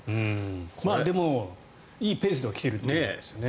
でも、いいペースでは来てるってことですよね。